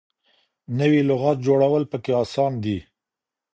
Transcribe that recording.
نوې لغات جوړول پکې اسان دي.